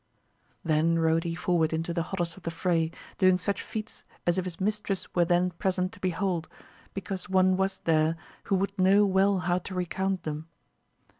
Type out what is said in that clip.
then rode he forward into the hottest of the fray, doing such feats as if his mistress were then present to behold, because one was there who would know well how to recount them.